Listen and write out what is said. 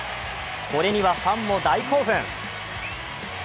これにはファンも大興奮。